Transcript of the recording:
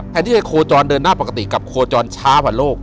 แทนที่จะโคจรเดินหน้าปกติกับโคจรช้ากว่าโลก